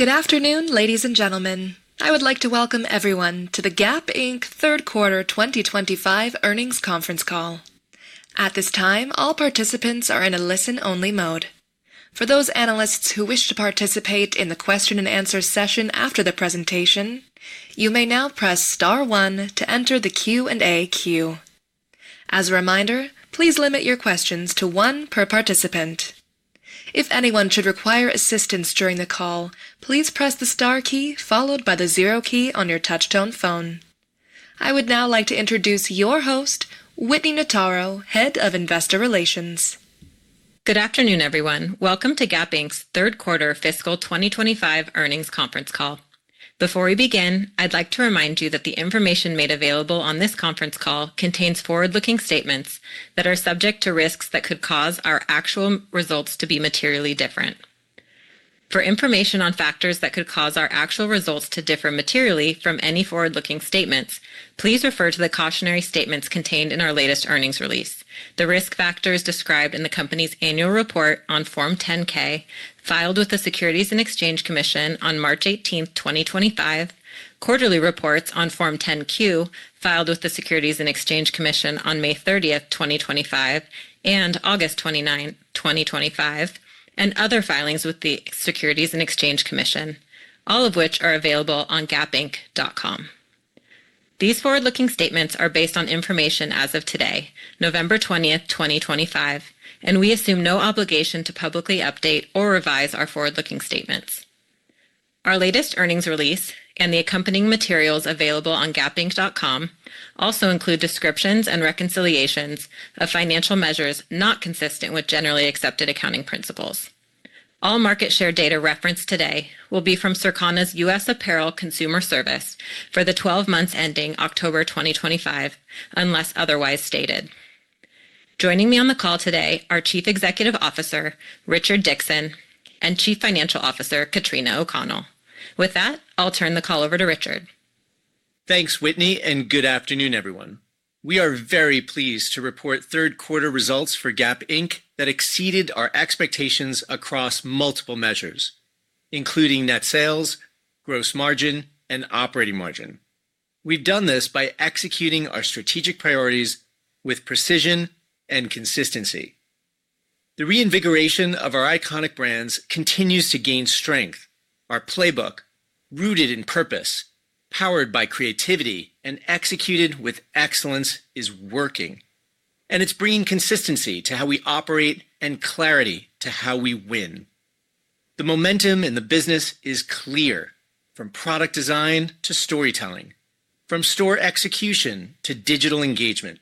Good afternoon, ladies and gentlemen. I would like to Welcome everyone to the Gap Q3 2025 Earnings Conference Call. At this time, all participants are in a listen-only mode. For those analysts who wish to participate in the question-and-answer session after the presentation, you may now press Star 1 to enter the Q&A queue. As a reminder, please limit your questions to one per participant. If anyone should require assistance during the call, please press the Star key followed by the Zero key on your touch-tone phone. I would now like to introduce your host, Whitney Notaro, Head of Investor Relations. Good afternoon, everyone. Welcome to Gap Inc.'s Q3 fiscal 2025 earnings conference call. Before we begin, I'd like to remind you that the information made available on this conference call contains forward-looking statements that are subject to risks that could cause our actual results to be materially different. For information on factors that could cause our actual results to differ materially from any forward-looking statements, please refer to the cautionary statements contained in our latest earnings release, the risk factors described in the company's annual report on Form 10-K filed with the Securities and Exchange Commission on March 18, 2025, quarterly reports on Form 10-Q filed with the Securities and Exchange Commission on May 30, 2025, and August 29, 2025, and other filings with the Securities and Exchange Commission, all of which are available on gapinc.com. These forward-looking statements are based on information as of today, November 20, 2025, and we assume no obligation to publicly update or revise our forward-looking statements. Our latest earnings release and the accompanying materials available on gapinc.com also include descriptions and reconciliations of financial measures not consistent with generally accepted accounting principles. All market share data referenced today will be from Circona's U.S. Apparel Consumer Service for the 12 months ending October 2025, unless otherwise stated. Joining me on the call today are Chief Executive Officer Richard Dickson and Chief Financial Officer Katrina O'Connell. With that, I'll turn the call over to Richard. Thanks, Whitney, and good afternoon, everyone. We are very pleased to report Q3 results for Gap Inc. that exceeded our expectations across multiple measures, including net sales, gross margin, and operating margin. We've done this by executing our strategic priorities with precision and consistency. The reinvigoration of our iconic brands continues to gain strength. Our playbook, rooted in purpose, powered by creativity and executed with excellence, is working, and it's bringing consistency to how we operate and clarity to how we win. The momentum in the business is clear, from product design to storytelling, from store execution to digital engagement.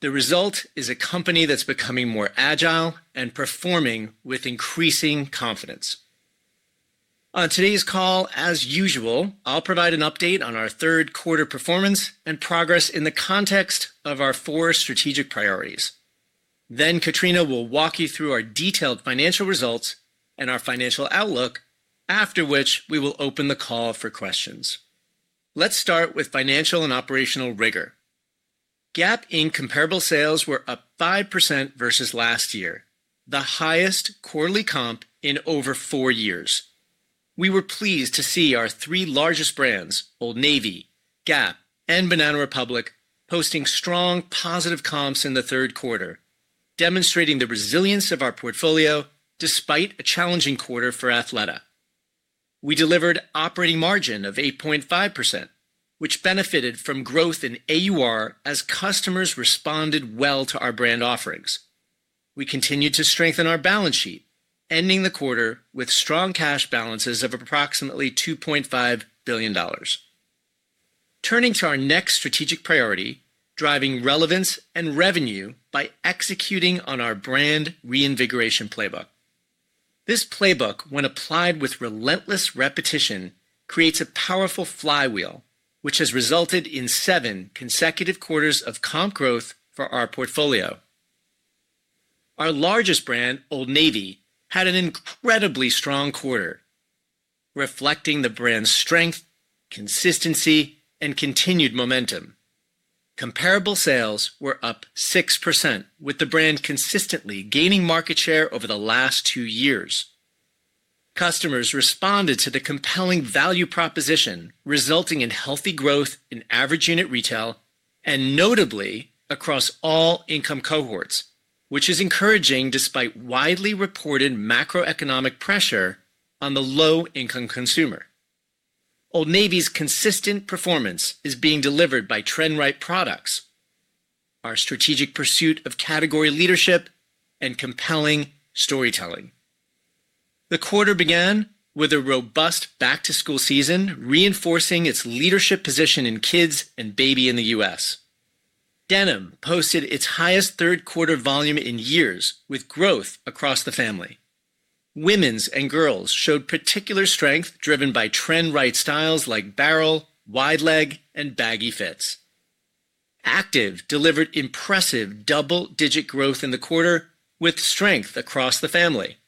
The result is a company that's becoming more agile and performing with increasing confidence. On today's call, as usual, I'll provide an update on our Q3 performance and progress in the context of our four strategic priorities. Katrina will walk you through our detailed financial results and our financial outlook, after which we will open the call for questions. Let's start with financial and operational rigor. Gap Inc. comparable sales were up 5% versus last year, the highest quarterly comp in over four years. We were pleased to see our three largest brands, Old Navy, Gap, and Banana Republic, posting strong positive comps in Q3, demonstrating the resilience of our portfolio despite a challenging quarter for Athleta. We delivered operating margin of 8.5%, which benefited from growth in AUR as customers responded well to our brand offerings. We continued to strengthen our balance sheet, ending the quarter with strong cash balances of approximately $2.5 billion. Turning to our next strategic priority, driving relevance and revenue by executing on our brand reinvigoration playbook. This playbook, when applied with relentless repetition, creates a powerful flywheel, which has resulted in seven consecutive quarters of comp growth for our portfolio. Our largest brand, Old Navy, had an incredibly strong quarter, reflecting the brand's strength, consistency, and continued momentum. Comparable sales were up 6%, with the brand consistently gaining market share over the last two years. Customers responded to the compelling value proposition, resulting in healthy growth in average unit retail and notably across all income cohorts, which is encouraging despite widely reported macroeconomic pressure on the low-income consumer. Old Navy's consistent performance is being delivered by trend-right products, our strategic pursuit of category leadership, and compelling storytelling. The quarter began with a robust back-to-school season, reinforcing its leadership position in kids and baby in the U.S. Denim posted its highest Q3 volume in years, with growth across the family. Women's and girls showed particular strength driven by trend-right styles like barrel, wide leg, and baggy fits. Active delivered impressive double-digit growth in the quarter, with strength across the family.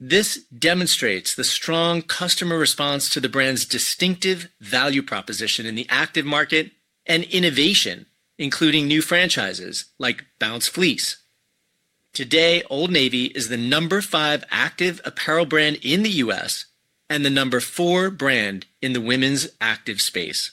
This demonstrates the strong customer response to the brand's distinctive value proposition in the active market and innovation, including new franchises like Bounce Fleece. Today, Old Navy is the number five active apparel brand in the U.S. and the number four brand in the women's active space.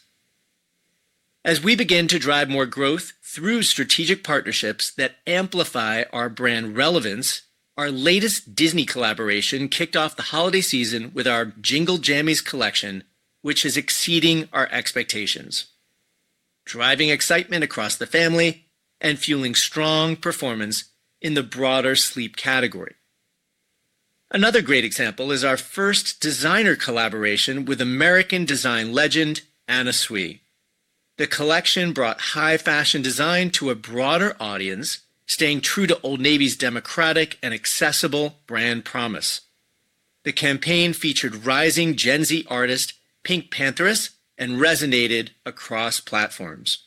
As we begin to drive more growth through strategic partnerships that amplify our brand relevance, our latest Disney collaboration kicked off the holiday season with our Jingle Jammys collection, which is exceeding our expectations, driving excitement across the family and fueling strong performance in the broader sleep category. Another great example is our first designer collaboration with American design legend Anna Sui. The collection brought high-fashion design to a broader audience, staying true to Old Navy's democratic and accessible brand promise. The campaign featured rising Gen Z artist PinkPantheress and resonated across platforms.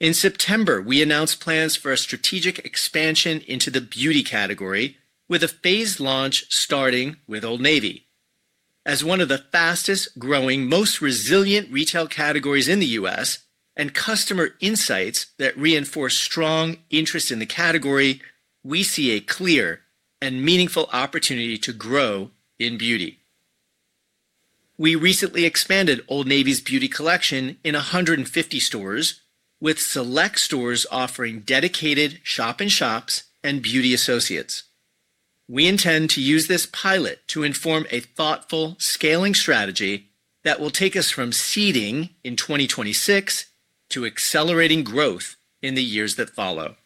In September, we announced plans for a strategic expansion into the beauty category, with a phased launch starting with Old Navy. As one of the fastest-growing, most resilient retail categories in the U.S., and customer insights that reinforce strong interest in the category, we see a clear and meaningful opportunity to grow in beauty. We recently expanded Old Navy's beauty collection in 150 stores, with select stores offering dedicated shop-in-shops and beauty associates. We intend to use this pilot to inform a thoughtful scaling strategy that will take us from seeding in 2026 to accelerating growth in the years that follow.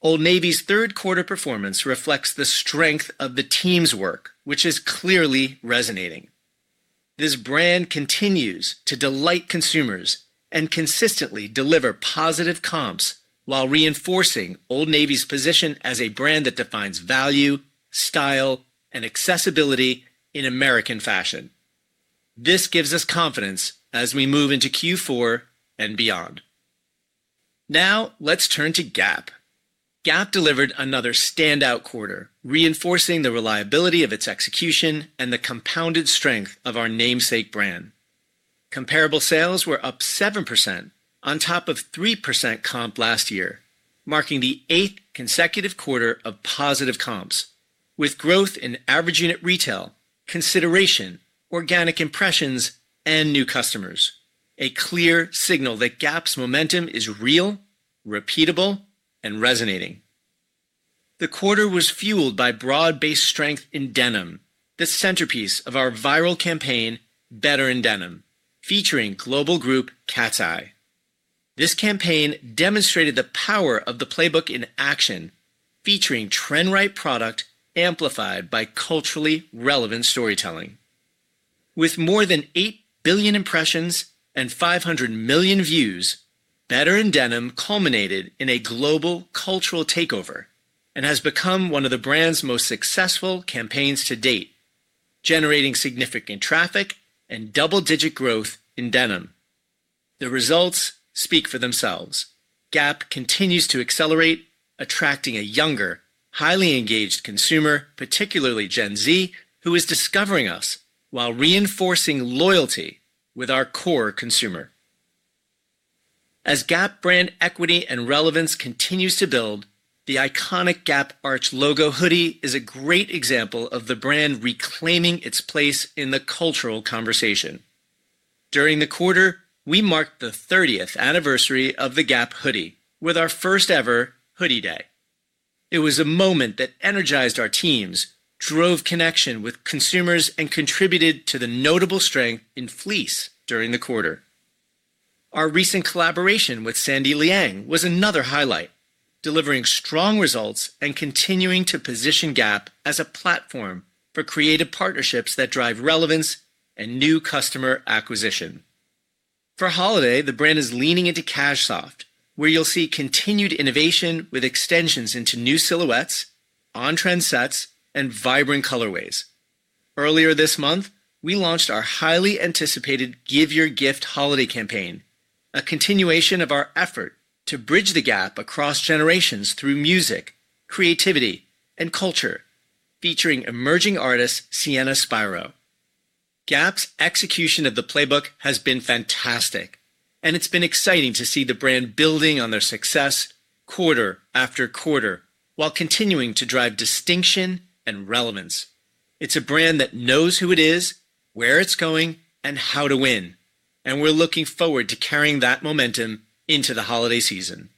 Old Navy's Q3 performance reflects the strength of the team's work, which is clearly resonating. This brand continues to delight consumers and consistently deliver positive comps while reinforcing Old Navy's position as a brand that defines value, style, and accessibility in American fashion. This gives us confidence as we move into Q4 and beyond. Now, let's turn to Gap. Gap delivered another standout quarter, reinforcing the reliability of its execution and the compounded strength of our namesake brand. Comparable sales were up 7% on top of 3% comp last year, marking the eighth consecutive quarter of positive comps, with growth in average unit retail, consideration, organic impressions, and new customers, a clear signal that Gap's momentum is real, repeatable, and resonating. The quarter was fueled by broad-based strength in denim, the centerpiece of our viral campaign, Better in Denim, featuring global group Cat's Eye. This campaign demonstrated the power of the playbook in action, featuring trend-right product amplified by culturally relevant storytelling. With more than 8 billion impressions and 500 million views, Better in Denim culminated in a global cultural takeover and has become one of the brand's most successful campaigns to date, generating significant traffic and double-digit growth in denim. The results speak for themselves. Gap continues to accelerate, attracting a younger, highly engaged consumer, particularly Gen Z, who is discovering us while reinforcing loyalty with our core consumer. As Gap brand equity and relevance continues to build, the iconic Gap Arch logo hoodie is a great example of the brand reclaiming its place in the cultural conversation. During the quarter, we marked the 30th anniversary of the Gap hoodie with our first-ever Hoodie Day. It was a moment that energized our teams, drove connection with consumers, and contributed to the notable strength in fleece during the quarter. Our recent collaboration with Sandy Liang was another highlight, delivering strong results and continuing to position Gap as a platform for creative partnerships that drive relevance and new customer acquisition. For holiday, the brand is leaning into Cashsoft, where you'll see continued innovation with extensions into new silhouettes, on-trend sets, and vibrant colorways. Earlier this month, we launched our highly anticipated Give Your Gift holiday campaign, a continuation of our effort to bridge the gap across generations through music, creativity, and culture, featuring emerging artist Sienna Spiro. Gap's execution of the playbook has been fantastic, and it's been exciting to see the brand building on their success quarter after quarter while continuing to drive distinction and relevance. It's a brand that knows who it is, where it's going, and how to win, and we're looking forward to carrying that momentum into the holiday season.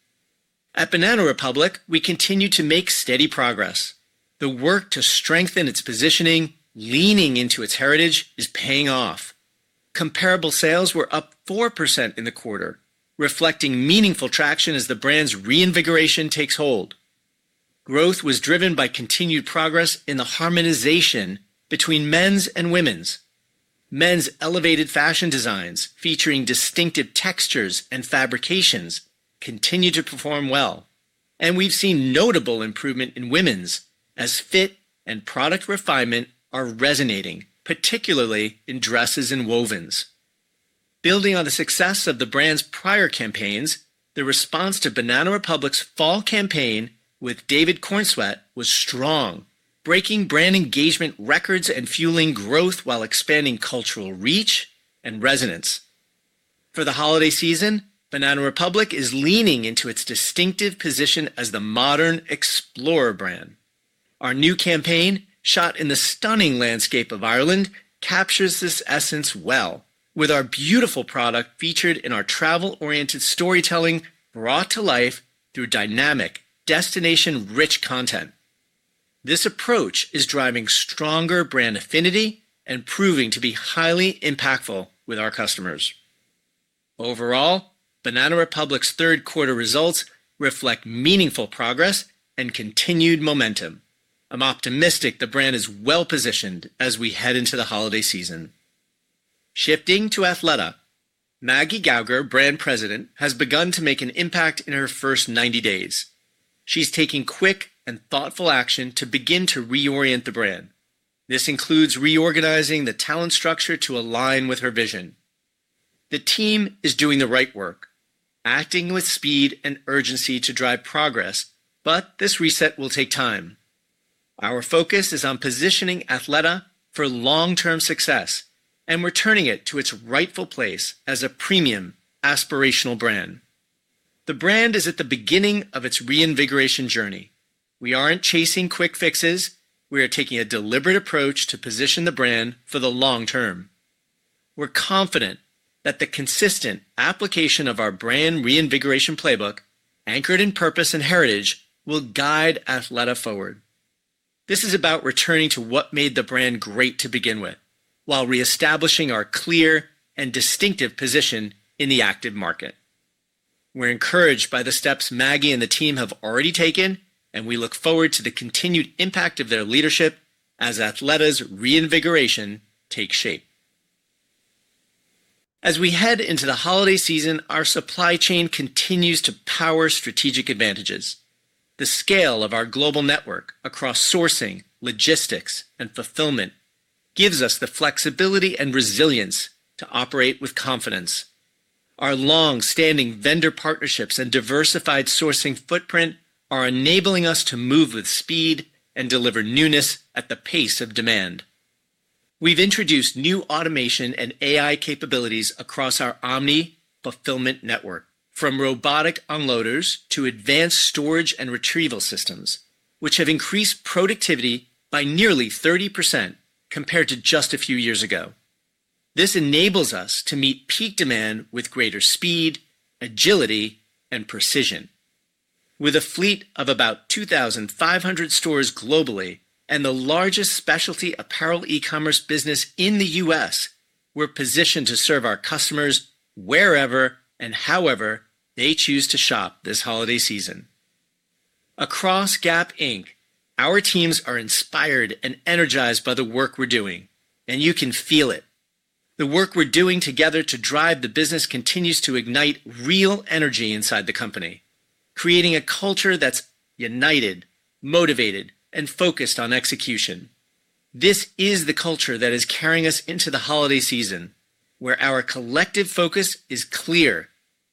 At Banana Republic, we continue to make steady progress. The work to strengthen its positioning, leaning into its heritage, is paying off. Comparable sales were up 4% in the quarter, reflecting meaningful traction as the brand's reinvigoration takes hold. Growth was driven by continued progress in the harmonization between men's and women's. Men's elevated fashion designs featuring distinctive textures and fabrications continue to perform well, and we've seen notable improvement in women's as fit and product refinement are resonating, particularly in dresses and Wovens. Building on the success of the brand's prior campaigns, the response to Banana Republic's fall campaign with David Cornswet was strong, breaking brand engagement records and fueling growth while expanding cultural reach and resonance. For the holiday season, Banana Republic is leaning into its distinctive position as the modern explorer brand. Our new campaign, shot in the stunning landscape of Ireland, captures this essence well, with our beautiful product featured in our travel-oriented storytelling brought to life through dynamic, destination-rich content. This approach is driving stronger brand affinity and proving to be highly impactful with our customers. Overall, Banana Republic's Q3 results reflect meaningful progress and continued momentum. I'm optimistic the brand is well-positioned as we head into the holiday season. Shifting to Athleta, Maggie Gauger, Brand President, has begun to make an impact in her first 90 days. She's taking quick and thoughtful action to begin to reorient the brand. This includes reorganizing the talent structure to align with her vision. The team is doing the right work, acting with speed and urgency to drive progress, but this reset will take time. Our focus is on positioning Athleta for long-term success, and we're turning it to its rightful place as a premium, aspirational brand. The brand is at the beginning of its reinvigoration journey. We aren't chasing quick fixes. We are taking a deliberate approach to position the brand for the long term. We're confident that the consistent application of our brand reinvigoration playbook, anchored in purpose and heritage, will guide Athleta forward. This is about returning to what made the brand great to begin with while reestablishing our clear and distinctive position in the active market. We're encouraged by the steps Maggie and the team have already taken, and we look forward to the continued impact of their leadership as Athleta's reinvigoration takes shape. As we head into the holiday season, our supply chain continues to power strategic advantages. The scale of our global network across sourcing, logistics, and fulfillment gives us the flexibility and resilience to operate with confidence. Our long-standing vendor partnerships and diversified sourcing footprint are enabling us to move with speed and deliver newness at the pace of demand. We've introduced new automation and AI capabilities across our omni-fulfillment network, from robotic unloaders to advanced storage and retrieval systems, which have increased productivity by nearly 30% compared to just a few years ago. This enables us to meet peak demand with greater speed, agility, and precision. With a fleet of about 2,500 stores globally and the largest specialty apparel e-commerce business in the U.S., we're positioned to serve our customers wherever and however they choose to shop this holiday season. Across Gap, our teams are inspired and energized by the work we're doing, and you can feel it. The work we're doing together to drive the business continues to ignite real energy inside the company, creating a culture that's united, motivated, and focused on execution. This is the culture that is carrying us into the holiday season, where our collective focus is clear: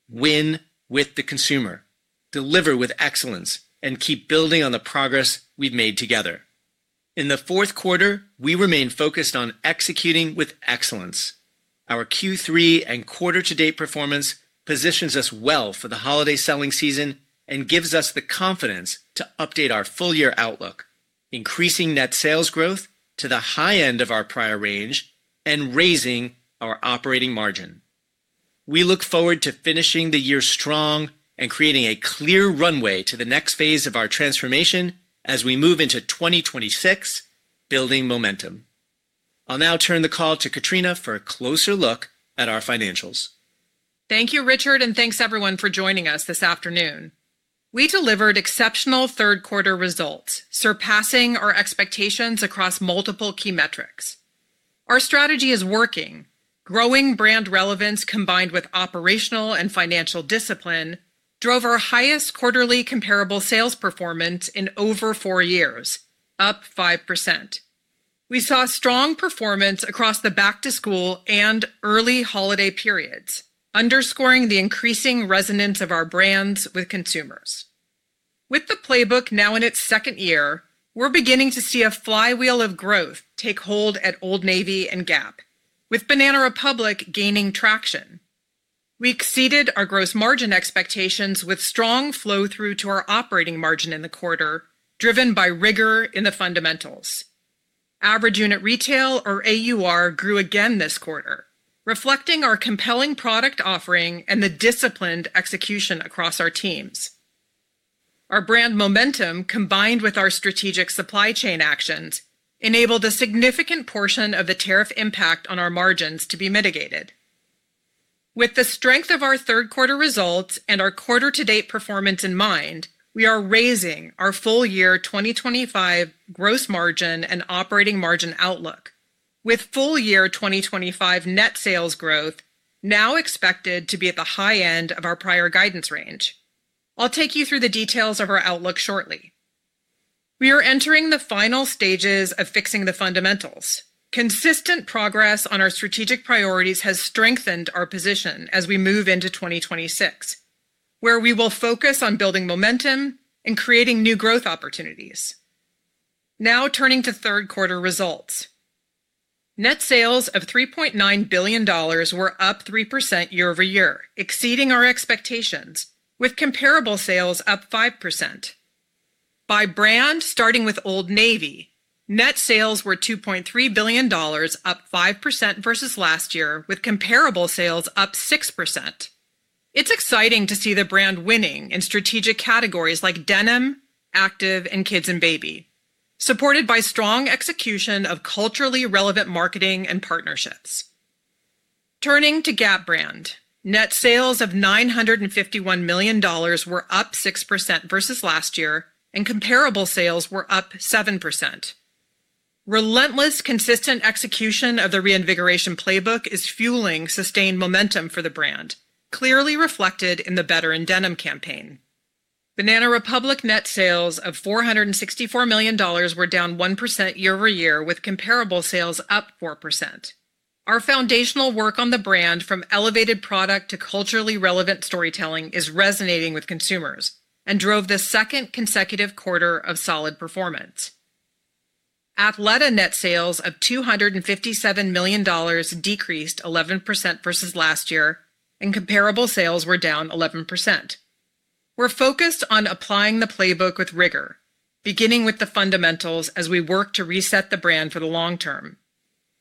win with the consumer, deliver with excellence, and keep building on the progress we've made together. In the Q4, we remain focused on executing with excellence. Our Q3 and quarter-to-date performance positions us well for the holiday selling season and gives us the confidence to update our full-year outlook, increasing net sales growth to the high end of our prior range and raising our operating margin. We look forward to finishing the year strong and creating a clear runway to the next phase of our transformation as we move into 2026, building momentum. I'll now turn the call to Katrina for a closer look at our financials. Thank you, Richard, and thanks everyone for joining us this afternoon. We delivered exceptional Q3 results, surpassing our expectations across multiple key metrics. Our strategy is working. Growing brand relevance combined with operational and financial discipline drove our highest quarterly comparable sales performance in over four years, up 5%. We saw strong performance across the back-to-school and early holiday periods, underscoring the increasing resonance of our brands with consumers. With the playbook now in its second year, we're beginning to see a flywheel of growth take hold at Old Navy and Gap, with Banana Republic gaining traction. We exceeded our gross margin expectations with strong flow-through to our operating margin in the quarter, driven by rigor in the fundamentals. Average unit retail, or AUR, grew again this quarter, reflecting our compelling product offering and the disciplined execution across our teams. Our brand momentum, combined with our strategic supply chain actions, enabled a significant portion of the tariff impact on our margins to be mitigated. With the strength of our Q3 results and our quarter-to-date performance in mind, we are raising our full-year 2025 gross margin and operating margin outlook, with full-year 2025 net sales growth now expected to be at the high end of our prior guidance range. I'll take you through the details of our outlook shortly. We are entering the final stages of fixing the fundamentals. Consistent progress on our strategic priorities has strengthened our position as we move into 2026, where we will focus on building momentum and creating new growth opportunities. Now, turning to Q3 results, net sales of $3.9 billion were up 3% year-over-year, exceeding our expectations, with comparable sales up 5%. By brand, starting with Old Navy, net sales were $2.3 billion, up 5% versus last year, with comparable sales up 6%. It's exciting to see the brand winning in strategic categories like denim, active, and kids and baby, supported by strong execution of culturally relevant marketing and partnerships. Turning to Gap brand, net sales of $951 million were up 6% versus last year, and comparable sales were up 7%. Relentless, consistent execution of the reinvigoration playbook is fueling sustained momentum for the brand, clearly reflected in the Better in Denim campaign. Banana Republic net sales of $464 million were down 1% year-over-year, with comparable sales up 4%. Our foundational work on the brand, from elevated product to culturally relevant storytelling, is resonating with consumers and drove the second consecutive quarter of solid performance. Athleta net sales of $257 million decreased 11% versus last year, and comparable sales were down 11%. We are focused on applying the playbook with rigor, beginning with the fundamentals as we work to reset the brand for the long term.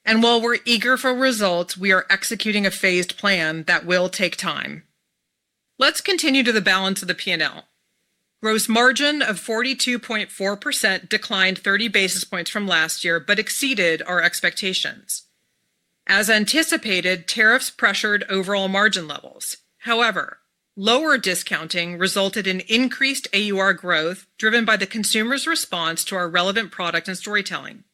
While we are eager for results, we are executing a phased plan that will take time. Let's continue to the balance of the P&L. Gross margin of 42.4% declined 30 basis points from last year but exceeded our expectations. As anticipated, tariffs pressured overall margin levels. However, lower discounting resulted in increased AUR growth driven by the consumer's response to our relevant product and storytelling.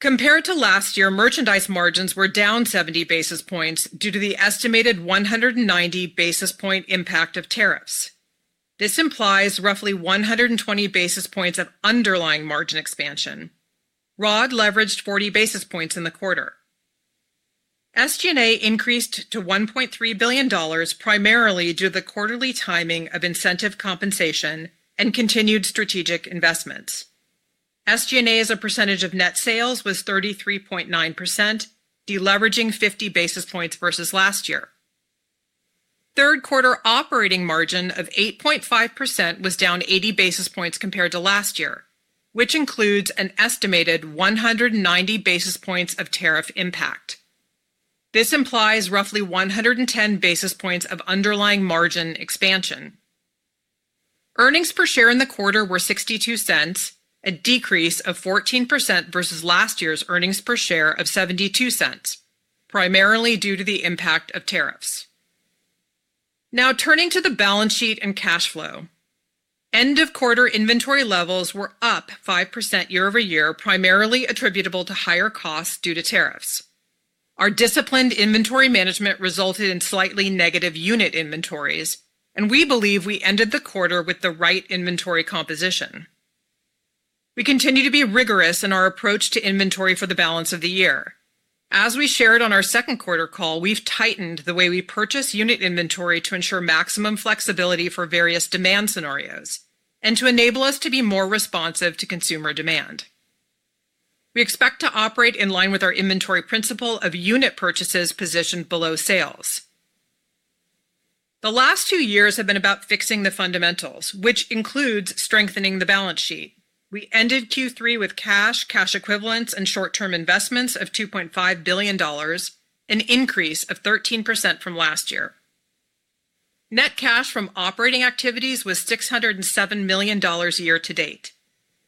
Compared to last year, merchandise margins were down 70 basis points due to the estimated 190 basis point impact of tariffs. This implies roughly 120 basis points of underlying margin expansion. ROD leveraged 40 basis points in the quarter. SG&A increased to $1.3 billion primarily due to the quarterly timing of incentive compensation and continued strategic investments. SG&A's percentage of net sales was 33.9%, deleveraging 50 basis points versus last year. Q3 operating margin of 8.5% was down 80 basis points compared to last year, which includes an estimated 190 basis points of tariff impact. This implies roughly 110 basis points of underlying margin expansion. Earnings per share in the quarter were $0.62, a decrease of 14% versus last year's earnings per share of $0.72, primarily due to the impact of tariffs. Now, turning to the balance sheet and cash flow, end-of-quarter inventory levels were up 5% year-over-year, primarily attributable to higher costs due to tariffs. Our disciplined inventory management resulted in slightly negative unit inventories, and we believe we ended the quarter with the right inventory composition. We continue to be rigorous in our approach to inventory for the balance of the year. As we shared on our Q2 call, we've tightened the way we purchase unit inventory to ensure maximum flexibility for various demand scenarios and to enable us to be more responsive to consumer demand. We expect to operate in line with our inventory principle of unit purchases positioned below sales. The last two years have been about fixing the fundamentals, which includes strengthening the balance sheet. We ended Q3 with cash, cash equivalents, and short-term investments of $2.5 billion, an increase of 13% from last year. Net cash from operating activities was $607 million year-to-date,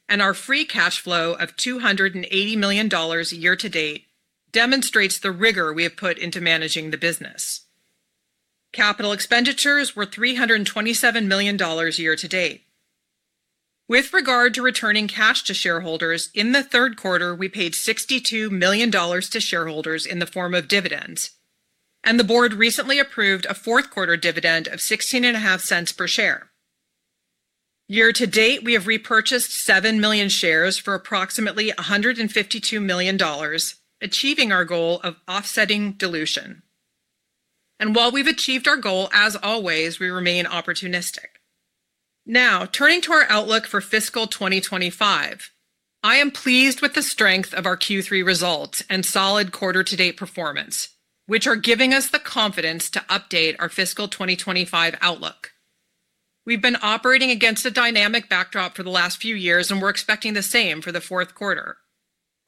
and our free cash flow of $280 million year-to-date demonstrates the rigor we have put into managing the business. Capital expenditures were $327 million year-to-date. With regard to returning cash to shareholders, in Q3, we paid $62 million to shareholders in the form of dividends, and the board recently approved a Q4 dividend of $0.16 per share. Year-to-date, we have repurchased $7 million shares for approximately $152 million, achieving our goal of offsetting dilution. While we've achieved our goal, as always, we remain opportunistic. Now, turning to our outlook for fiscal 2025, I am pleased with the strength of our Q3 results and solid quarter-to-date performance, which are giving us the confidence to update our fiscal 2025 outlook. We've been operating against a dynamic backdrop for the last few years, and we're expecting the same for the Q4.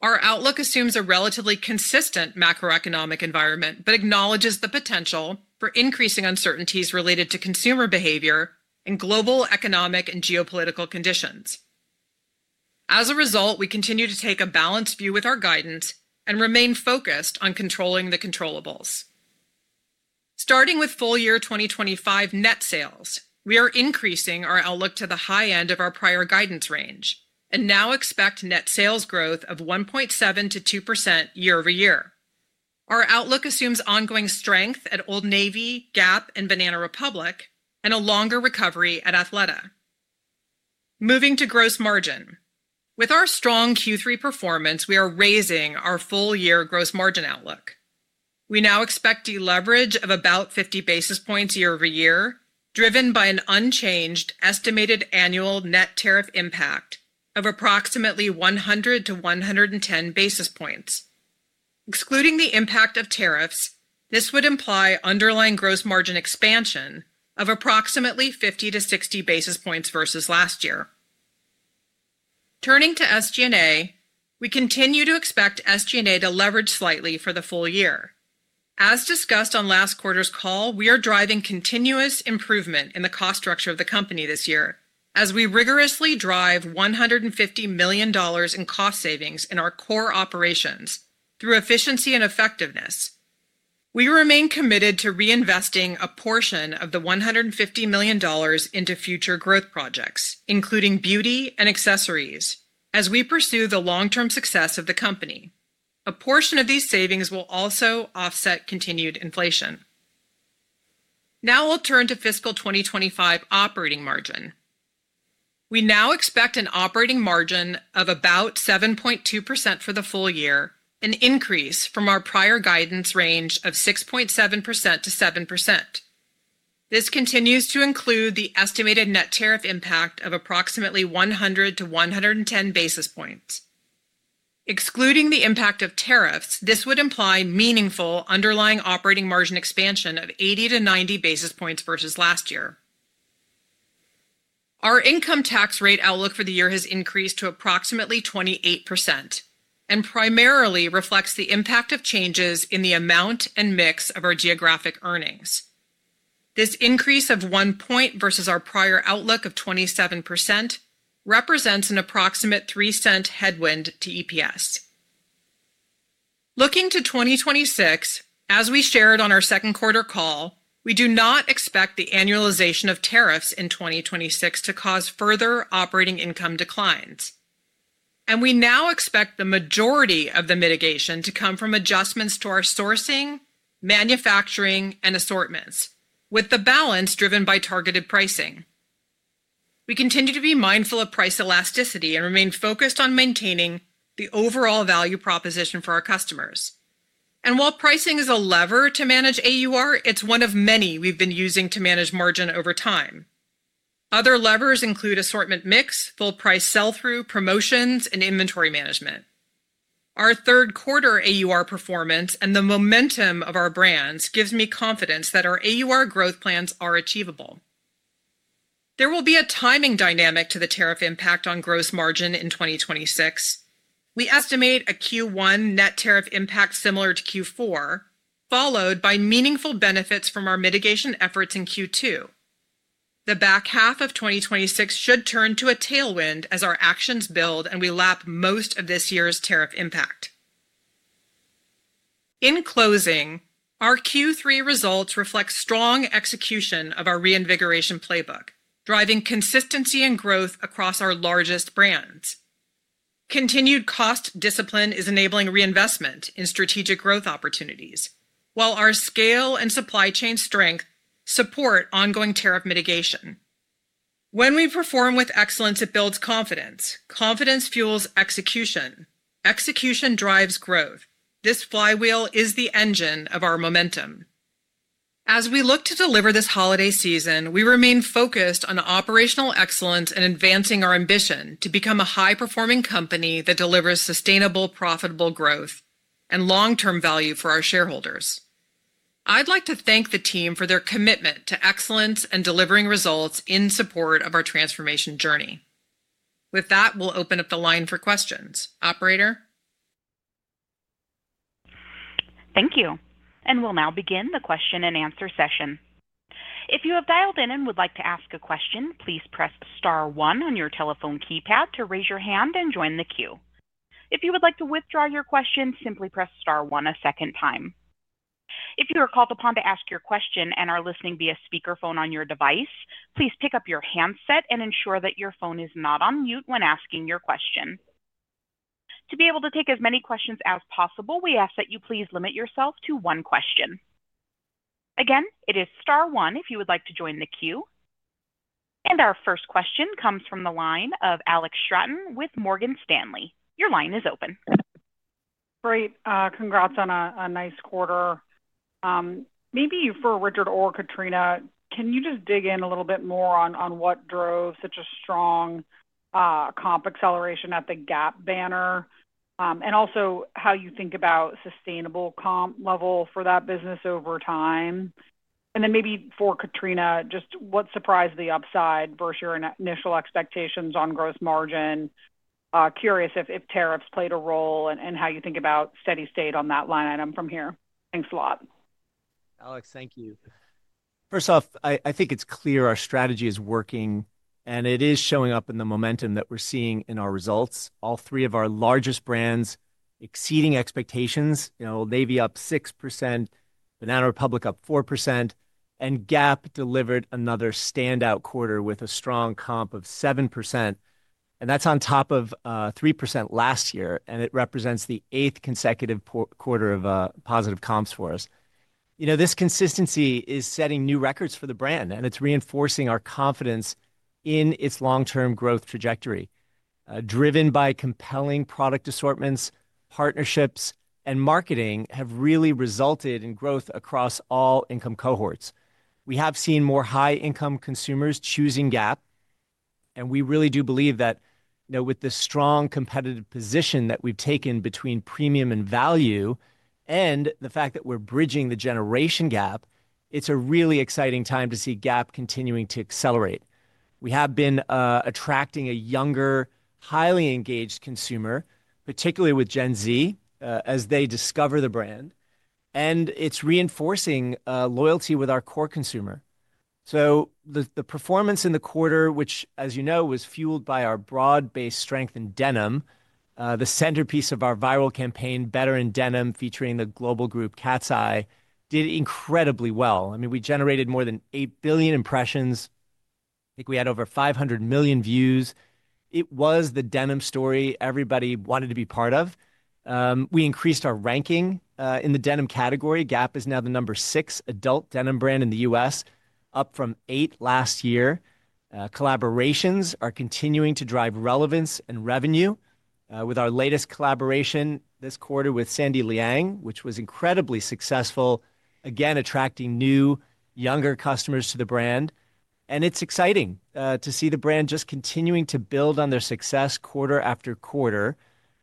Our outlook assumes a relatively consistent macroeconomic environment but acknowledges the potential for increasing uncertainties related to consumer behavior and global economic and geopolitical conditions. As a result, we continue to take a balanced view with our guidance and remain focused on controlling the controllables. Starting with full-year 2025 net sales, we are increasing our outlook to the high end of our prior guidance range and now expect net sales growth of 1.7%-2% year-over-year. Our outlook assumes ongoing strength at Old Navy, Gap, and Banana Republic, and a longer recovery at Athleta. Moving to gross margin. With our strong Q3 performance, we are raising our full-year gross margin outlook. We now expect deleverage of about 50 basis points year-over-year, driven by an unchanged estimated annual net tariff impact of approximately 100-110 basis points. Excluding the impact of tariffs, this would imply underlying gross margin expansion of approximately 50-60 basis points versus last year. Turning to SG&A, we continue to expect SG&A to leverage slightly for the full year. As discussed on last quarter's call, we are driving continuous improvement in the cost structure of the company this year as we rigorously drive $150 million in cost savings in our core operations through efficiency and effectiveness. We remain committed to reinvesting a portion of the $150 million into future growth projects, including beauty and accessories, as we pursue the long-term success of the company. A portion of these savings will also offset continued inflation. Now, we'll turn to fiscal 2025 operating margin. We now expect an operating margin of about 7.2% for the full year, an increase from our prior guidance range of 6.7%-7%. This continues to include the estimated net tariff impact of approximately 100-110 basis points. Excluding the impact of tariffs, this would imply meaningful underlying operating margin expansion of 80-90 basis points versus last year. Our income tax rate outlook for the year has increased to approximately 28% and primarily reflects the impact of changes in the amount and mix of our geographic earnings. This increase of one point versus our prior outlook of 27% represents an approximate 3% headwind to EPS. Looking to 2026, as we shared on our Q2 call, we do not expect the annualization of tariffs in 2026 to cause further operating income declines. We now expect the majority of the mitigation to come from adjustments to our sourcing, manufacturing, and assortments, with the balance driven by targeted pricing. We continue to be mindful of price elasticity and remain focused on maintaining the overall value proposition for our customers. While pricing is a lever to manage AUR, it is one of many we have been using to manage margin over time. Other levers include assortment mix, full-price sell-through, promotions, and inventory management. Our Q3 AUR performance and the momentum of our brands gives me confidence that our AUR growth plans are achievable. There will be a timing dynamic to the tariff impact on gross margin in 2026. We estimate a Q1 net tariff impact similar to Q4, followed by meaningful benefits from our mitigation efforts in Q2. The back half of 2026 should turn to a tailwind as our actions build and we lap most of this year's tariff impact. In closing, our Q3 results reflect strong execution of our reinvigoration playbook, driving consistency and growth across our largest brands. Continued cost discipline is enabling reinvestment in strategic growth opportunities, while our scale and supply chain strength support ongoing tariff mitigation. When we perform with excellence, it builds confidence. Confidence fuels execution. Execution drives growth. This flywheel is the engine of our momentum. As we look to deliver this holiday season, we remain focused on operational excellence and advancing our ambition to become a high-performing company that delivers sustainable, profitable growth and long-term value for our shareholders. I'd like to thank the team for their commitment to excellence and delivering results in support of our transformation journey. With that, we'll open up the line for questions. Operator? Thank you. We'll now begin the question-and-answer session. If you have dialed in and would like to ask a question, please press star one on your telephone keypad to raise your hand and join the queue. If you would like to withdraw your question, simply press star one a second time. If you are called upon to ask your question and are listening via speakerphone on your device, please pick up your handset and ensure that your phone is not on mute when asking your question. To be able to take as many questions as possible, we ask that you please limit yourself to one question. Again, it is star one if you would like to join the queue. Our first question comes from the line of Alex Straton with Morgan Stanley. Your line is open. Great. Congrats on a nice quarter. Maybe for Richard or Katrina, can you just dig in a little bit more on what drove such a strong comp acceleration at the Gap banner and also how you think about sustainable comp level for that business over time? Maybe for Katrina, just what surprised the upside versus your initial expectations on gross margin? Curious if tariffs played a role and how you think about steady state on that line item from here. Thanks a lot. Alex, thank you. First off, I think it's clear our strategy is working, and it is showing up in the momentum that we're seeing in our results. All three of our largest brands exceeding expectations. Navy up 6%, Banana Republic up 4%, and Gap delivered another standout quarter with a strong comp of 7%. That's on top of 3% last year, and it represents the eighth consecutive quarter of positive comps for us. This consistency is setting new records for the brand, and it's reinforcing our confidence in its long-term growth trajectory. Driven by compelling product assortments, partnerships, and marketing have really resulted in growth across all income cohorts. We have seen more high-income consumers choosing Gap, and we really do believe that with the strong competitive position that we've taken between premium and value and the fact that we're bridging the generation gap, it's a really exciting time to see Gap continuing to accelerate. We have been attracting a younger, highly engaged consumer, particularly with Gen Z, as they discover the brand, and it's reinforcing loyalty with our core consumer. The performance in the quarter, which, as you know, was fueled by our broad-based strength in Denim, the centerpiece of our viral campaign, Better in Denim, featuring the global group Cat's Eye, did incredibly well. I mean, we generated more than $8 billion impressions. I think we had over 500 million views. It was the Denim story everybody wanted to be part of. We increased our ranking in the Denim category. Gap is now the number six adult denim brand in the U.S., up from eight last year. Collaborations are continuing to drive relevance and revenue with our latest collaboration this quarter with Sandy Liang, which was incredibly successful, again attracting new, younger customers to the brand. It is exciting to see the brand just continuing to build on their success quarter after quarter.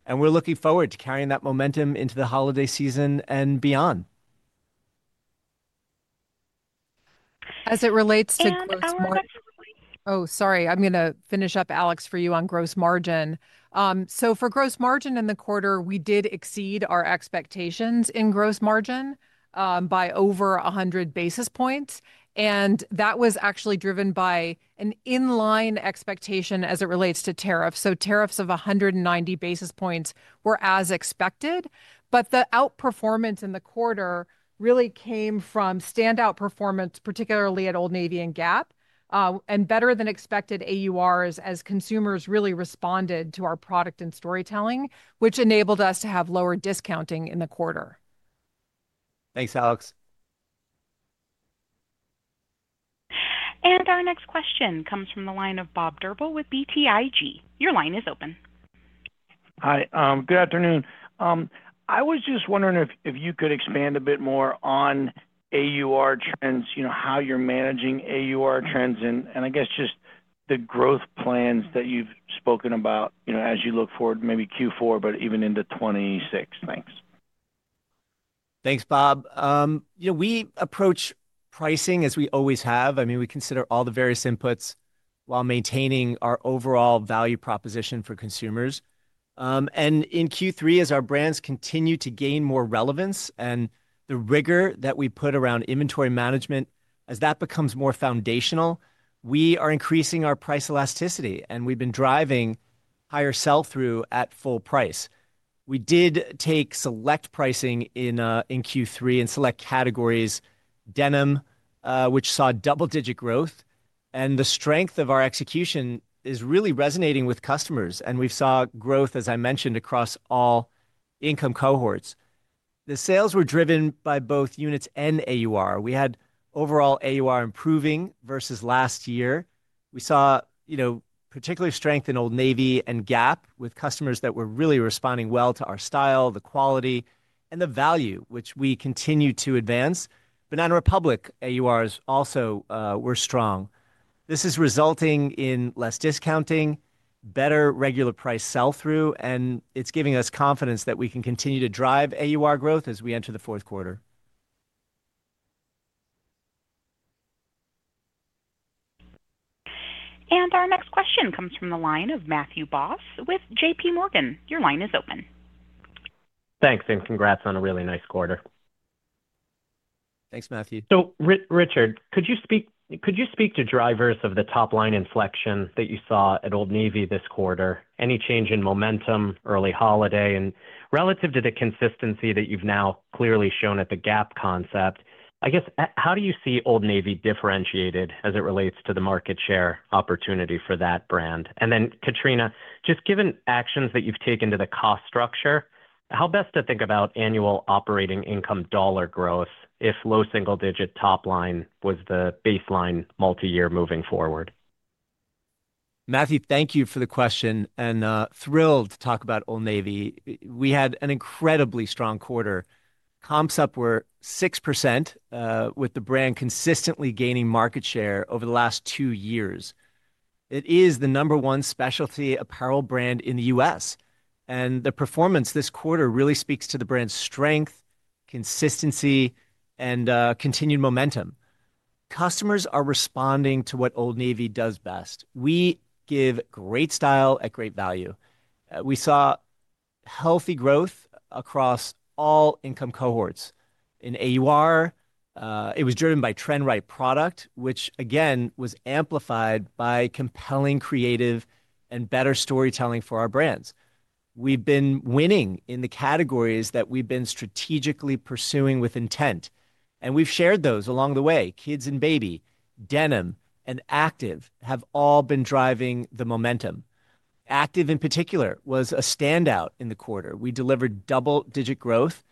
We are looking forward to carrying that momentum into the holiday season and beyond. As it relates to gross margin, sorry, I am going to finish up, Alex, for you on gross margin. For gross margin in the quarter, we did exceed our expectations in gross margin by over 100 basis points. That was actually driven by an inline expectation as it relates to tariffs. Tariffs of 190 basis points were as expected. The outperformance in the quarter really came from standout performance, particularly at Old Navy and Gap, and better than expected AURs as consumers really responded to our product and storytelling, which enabled us to have lower discounting in the quarter. Thanks, Alex. Our next question comes from the line of Bob Durbill with BTIG. Your line is open. Hi. Good afternoon. I was just wondering if you could expand a bit more on AUR trends, how you're managing AUR trends, and I guess just the growth plans that you've spoken about as you look forward to maybe Q4, but even into 2026. Thanks. Thanks, Bob. We approach pricing as we always have. I mean, we consider all the various inputs while maintaining our overall value proposition for consumers. In Q3, as our brands continue to gain more relevance and the rigor that we put around inventory management, as that becomes more foundational, we are increasing our price elasticity, and we've been driving higher sell-through at full price. We did take select pricing in Q3 in select categories, denim, which saw double-digit growth. The strength of our execution is really resonating with customers. We saw growth, as I mentioned, across all income cohorts. The sales were driven by both units and AUR. We had overall AUR improving versus last year. We saw particular strength in Old Navy and Gap with customers that were really responding well to our style, the quality, and the value, which we continue to advance. Banana Republic AURs also were strong. This is resulting in less discounting, better regular price sell-through, and it's giving us confidence that we can continue to drive AUR growth as we enter the fourth quarter. Our next question comes from the line of Matthew Boss with JPMorgan. Your line is open. Thanks, and congrats on a really nice quarter. Thanks, Matthew. Richard, could you speak to drivers of the top-line inflection that you saw at Old Navy this quarter? Any change in momentum, early holiday, and relative to the consistency that you've now clearly shown at the Gap concept? I guess, how do you see Old Navy differentiated as it relates to the market share opportunity for that brand? Katrina, just given actions that you've taken to the cost structure, how best to think about annual operating income dollar growth if low single-digit top-line was the baseline multi-year moving forward? Matthew, thank you for the question. Thrilled to talk about Old Navy. We had an incredibly strong quarter. Comps were up 6%, with the brand consistently gaining market share over the last two years. It is the number one specialty apparel brand in the U.S. The performance this quarter really speaks to the brand's strength, consistency, and continued momentum. Customers are responding to what Old Navy does best. We give great style at great value. We saw healthy growth across all income cohorts. In AUR, it was driven by trend-right product, which, again, was amplified by compelling creative and better storytelling for our brands. We have been winning in the categories that we have been strategically pursuing with intent. We have shared those along the way. Kids and Baby, Denim, and Active have all been driving the momentum. Active, in particular, was a standout in the quarter. We delivered double-digit growth.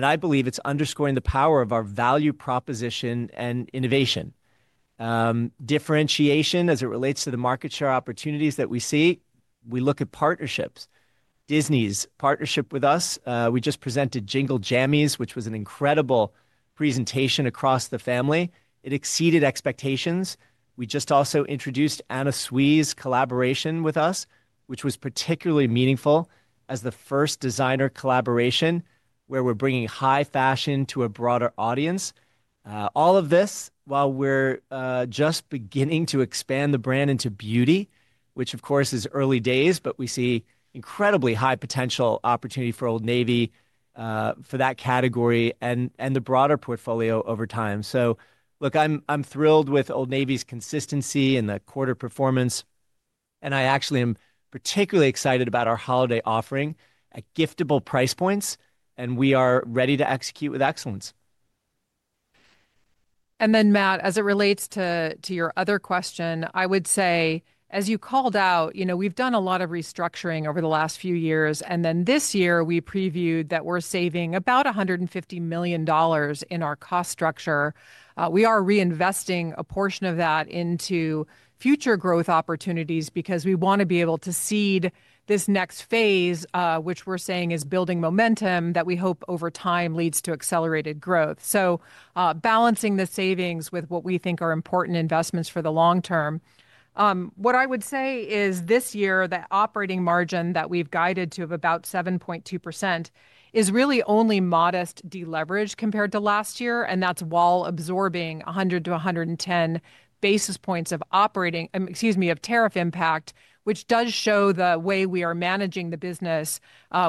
I believe it's underscoring the power of our value proposition and innovation. Differentiation as it relates to the market share opportunities that we see. We look at partnerships. Disney's partnership with us. We just presented Jingle Jammies, which was an incredible presentation across the family. It exceeded expectations. We just also introduced Anna Sui's collaboration with us, which was particularly meaningful as the first designer collaboration where we're bringing high fashion to a broader audience. All of this while we're just beginning to expand the brand into beauty, which, of course, is early days, but we see incredibly high potential opportunity for Old Navy for that category and the broader portfolio over time. I am thrilled with Old Navy's consistency and the quarter performance. I actually am particularly excited about our holiday offering at giftable price points. We are ready to execute with excellence. Matt, as it relates to your other question, I would say, as you called out, we've done a lot of restructuring over the last few years. This year, we previewed that we're saving about $150 million in our cost structure. We are reinvesting a portion of that into future growth opportunities because we want to be able to seed this next phase, which we're saying is building momentum that we hope over time leads to accelerated growth. Balancing the savings with what we think are important investments for the long term. What I would say is this year, the operating margin that we've guided to of about 7.2% is really only modest deleveraged compared to last year. That's while absorbing 100-110 basis points of operating—excuse me—of tariff impact, which does show the way we are managing the business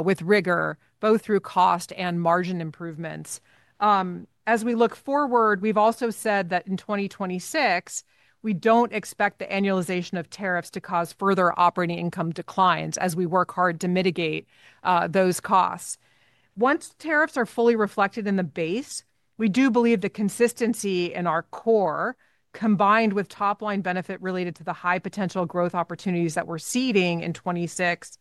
with rigor, both through cost and margin improvements. As we look forward, we have also said that in 2026, we do not expect the annualization of tariffs to cause further operating income declines as we work hard to mitigate those costs. Once tariffs are fully reflected in the base, we do believe the consistency in our core, combined with top-line benefit related to the high potential growth opportunities that we are seeding in 2026,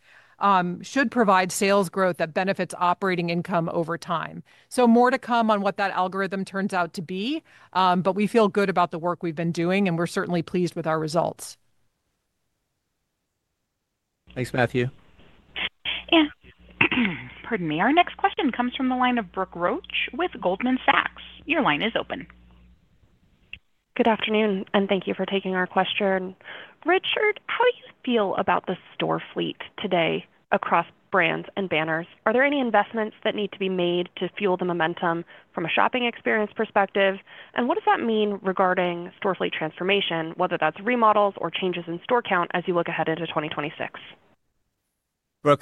should provide sales growth that benefits operating income over time. More to come on what that algorithm turns out to be. We feel good about the work we have been doing, and we are certainly pleased with our results. Thanks, Matthew. Yeah. Pardon me. Our next question comes from the line of Brooke Roach with Goldman Sachs. Your line is open. Good afternoon, and thank you for taking our question. Richard, how do you feel about the store fleet today across brands and banners? Are there any investments that need to be made to fuel the momentum from a shopping experience perspective? What does that mean regarding store fleet transformation, whether that's remodels or changes in store count as you look ahead into 2026?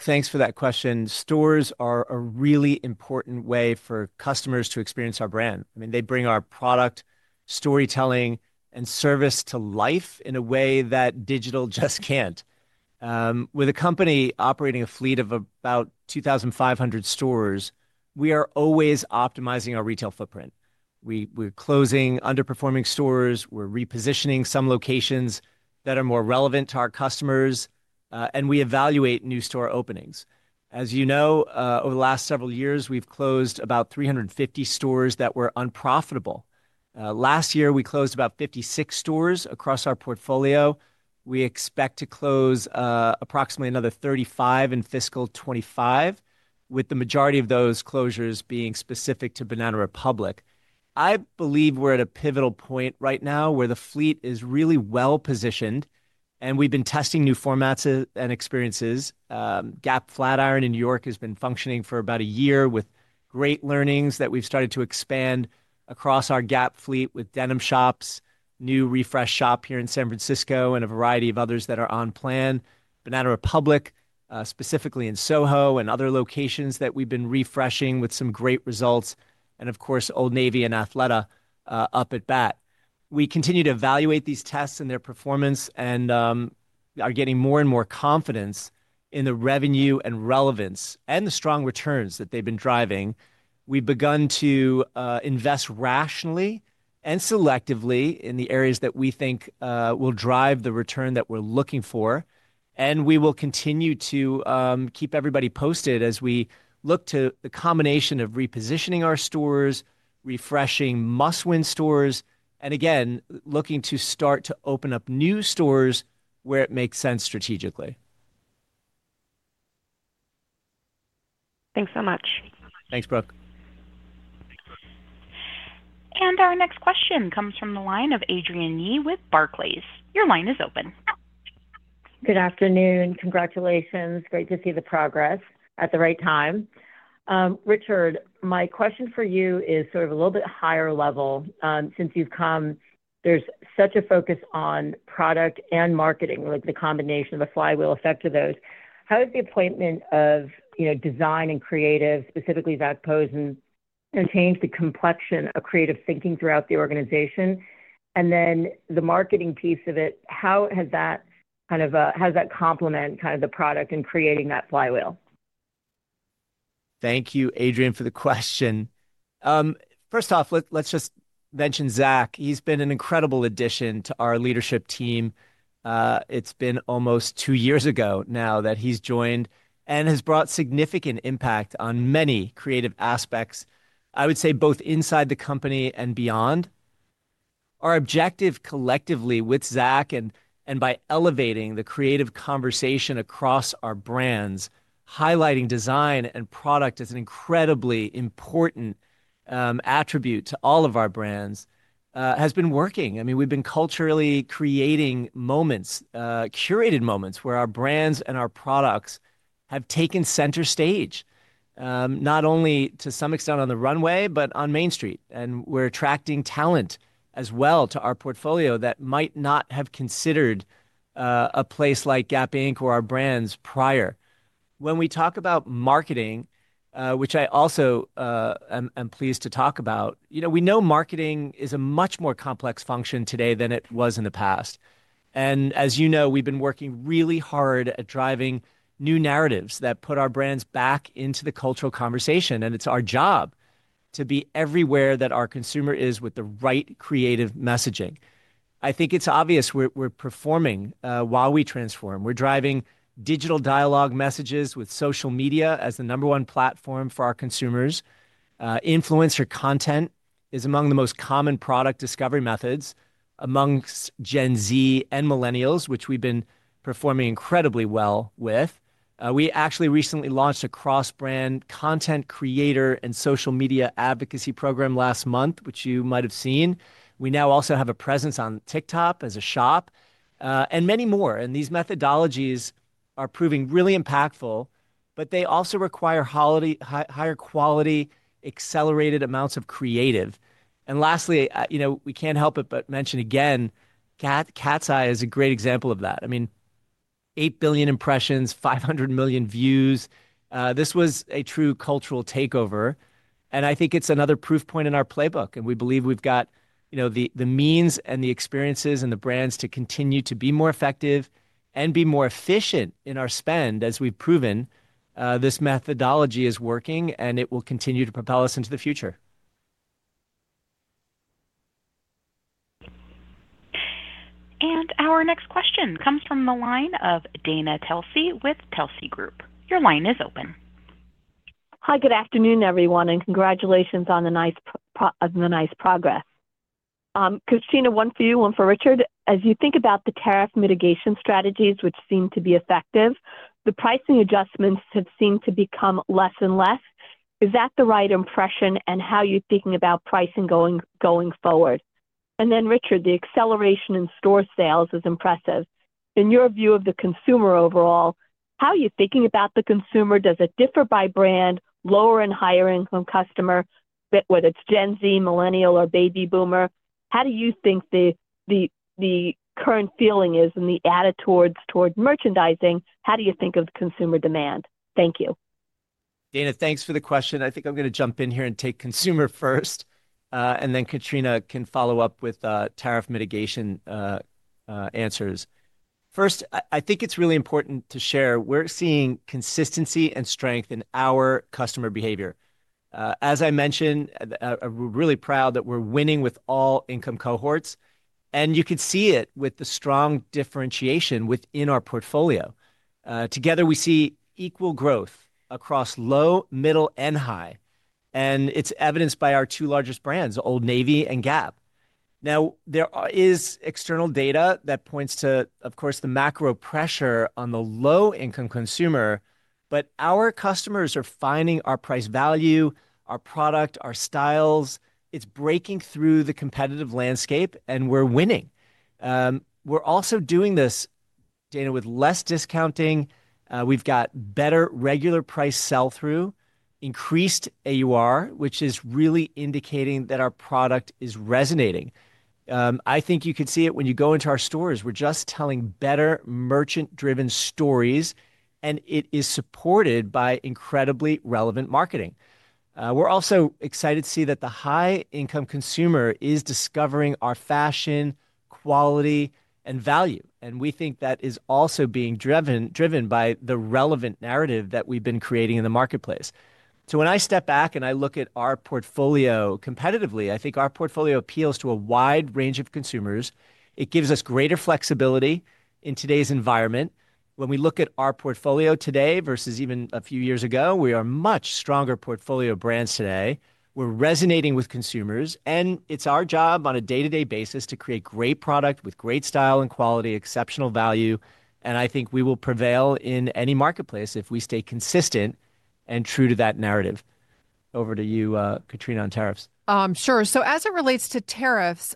Thanks for that question. Stores are a really important way for customers to experience our brand. I mean, they bring our product, storytelling, and service to life in a way that digital just can't. With a company operating a fleet of about 2,500 stores, we are always optimizing our retail footprint. We're closing underperforming stores. We're repositioning some locations that are more relevant to our customers. We evaluate new store openings. As you know, over the last several years, we've closed about 350 stores that were unprofitable. Last year, we closed about 56 stores across our portfolio. We expect to close approximately another 35 in fiscal 2025, with the majority of those closures being specific to Banana Republic. I believe we're at a pivotal point right now where the fleet is really well positioned. We've been testing new formats and experiences. Gap Flatiron in New York has been functioning for about a year with great learnings that we've started to expand across our Gap fleet with Denim Shops, new refresh shop here in San Francisco, and a variety of others that are on plan. Banana Republic, specifically in Soho and other locations that we've been refreshing with some great results. Of course, Old Navy and Athleta up at bat. We continue to evaluate these tests and their performance and are getting more and more confidence in the revenue and relevance and the strong returns that they've been driving. We've begun to invest rationally and selectively in the areas that we think will drive the return that we're looking for. We will continue to keep everybody posted as we look to the combination of repositioning our stores, refreshing must-win stores, and again, looking to start to open up new stores where it makes sense strategically. Thanks so much. Thanks, Brooke. Our next question comes from the line of Adrienne Yih with Barclays. Your line is open. Good afternoon. Congratulations. Great to see the progress at the right time. Richard, my question for you is sort of a little bit higher level. Since you've come, there's such a focus on product and marketing, the combination of the flywheel effect of those. How has the appointment of design and creative, specifically that pose and change the complexion of creative thinking throughout the organization? The marketing piece of it, how has that kind of complement kind of the product and creating that flywheel? Thank you, Adrienne, for the question. First off, let's just mention Zach. He's been an incredible addition to our leadership team. It's been almost two years ago now that he's joined and has brought significant impact on many creative aspects, I would say both inside the company and beyond. Our objective collectively with Zach and by elevating the creative conversation across our brands, highlighting design and product as an incredibly important attribute to all of our brands, has been working. I mean, we've been culturally creating moments, curated moments where our brands and our products have taken center stage, not only to some extent on the runway, but on Main Street. We're attracting talent as well to our portfolio that might not have considered a place like Gap Inc. or our brands prior. When we talk about marketing, which I also am pleased to talk about, we know marketing is a much more complex function today than it was in the past. As you know, we've been working really hard at driving new narratives that put our brands back into the cultural conversation. It's our job to be everywhere that our consumer is with the right creative messaging. I think it's obvious we're performing while we transform. We're driving digital dialogue messages with social media as the number one platform for our consumers. Influencer content is among the most common product discovery methods amongst Gen Z and millennials, which we've been performing incredibly well with. We actually recently launched a cross-brand content creator and social media advocacy program last month, which you might have seen. We now also have a presence on TikTok as a shop and many more. These methodologies are proving really impactful, but they also require higher quality, accelerated amounts of creative. Lastly, we can't help it but mention again, Cat's Eye is a great example of that. I mean, 8 billion impressions, 500 million views. This was a true cultural takeover. I think it's another proof point in our playbook. We believe we've got the means and the experiences and the brands to continue to be more effective and be more efficient in our spend as we've proven this methodology is working and it will continue to propel us into the future. Our next question comes from the line of Dana Telsey with Telsey Advisory Group. Your line is open. Hi, good afternoon, everyone. Congratulations on the nice progress. Katrina, one for you, one for Richard. As you think about the tariff mitigation strategies, which seem to be effective, the pricing adjustments have seemed to become less and less. Is that the right impression and how you're thinking about pricing going forward? Richard, the acceleration in store sales is impressive. In your view of the consumer overall, how are you thinking about the consumer? Does it differ by brand, lower and higher income customer, whether it's Gen Z, millennial, or baby boomer? How do you think the current feeling is in the additive towards merchandising? How do you think of consumer demand? Thank you. Thanks for the question. I think I'm going to jump in here and take consumer first. Then Katrina can follow up with tariff mitigation answers. First, I think it's really important to share. We're seeing consistency and strength in our customer behavior. As I mentioned, we're really proud that we're winning with all income cohorts. You can see it with the strong differentiation within our portfolio. Together, we see equal growth across low, middle, and high. It's evidenced by our two largest brands, Old Navy and Gap. There is external data that points to, of course, the macro pressure on the low-income consumer. Our customers are finding our price value, our product, our styles. It's breaking through the competitive landscape, and we're winning. We're also doing this, Dana, with less discounting. We've got better regular price sell-through, increased AUR, which is really indicating that our product is resonating. I think you can see it when you go into our stores. We're just telling better merchant-driven stories. It is supported by incredibly relevant marketing. We're also excited to see that the high-income consumer is discovering our fashion, quality, and value. We think that is also being driven by the relevant narrative that we've been creating in the marketplace. When I step back and I look at our portfolio competitively, I think our portfolio appeals to a wide range of consumers. It gives us greater flexibility in today's environment. When we look at our portfolio today versus even a few years ago, we are much stronger portfolio brands today. We're resonating with consumers. It is our job on a day-to-day basis to create great product with great style and quality, exceptional value. I think we will prevail in any marketplace if we stay consistent and true to that narrative. Over to you, Katrina, on tariffs. Sure. As it relates to tariffs,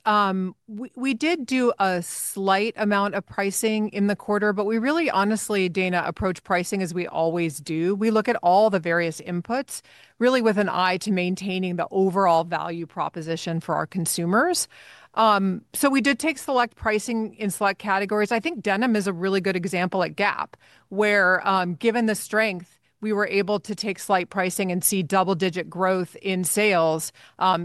we did do a slight amount of pricing in the quarter. We really, honestly, Dana, approach pricing as we always do. We look at all the various inputs really with an eye to maintaining the overall value proposition for our consumers. We did take select pricing in select categories. I think denim is a really good example at Gap where, given the strength, we were able to take slight pricing and see double-digit growth in sales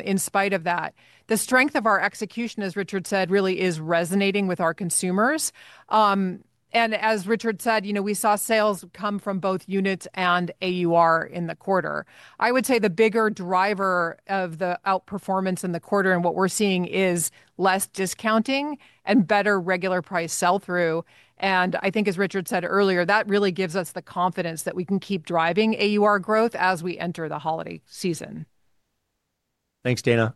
in spite of that. The strength of our execution, as Richard said, really is resonating with our consumers. As Richard said, we saw sales come from both units and AUR in the quarter. I would say the bigger driver of the outperformance in the quarter and what we're seeing is less discounting and better regular price sell-through. I think, as Richard said earlier, that really gives us the confidence that we can keep driving AUR growth as we enter the holiday season. Thanks, Dana.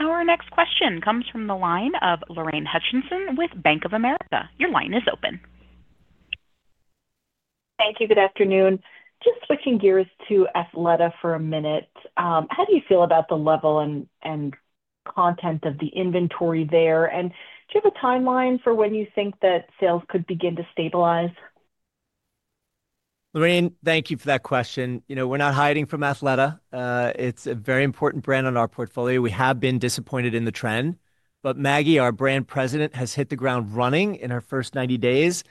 Our next question comes from the line of Lorraine Hutchinson with Bank of America. Your line is open. Thank you. Good afternoon. Just switching gears to Athleta for a minute. How do you feel about the level and content of the inventory there? Do you have a timeline for when you think that sales could begin to stabilize? Lorraine, thank you for that question. We're not hiding from Athleta. It's a very important brand in our portfolio. We have been disappointed in the trend. Maggie, our brand president, has hit the ground running in her first 90 days.